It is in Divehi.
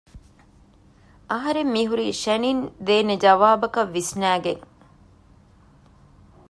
އަހަރެން މިހުރީ ޝެނިން ދޭނެ ޖަވާބަކަށް ވިސްނައިގެން